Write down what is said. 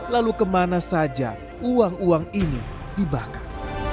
lalu kemana saja uang uang ini dibakar